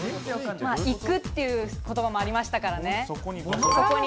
行くっていう言葉もありましたからね。